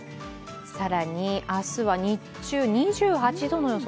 更に、明日は日中２８度の予想。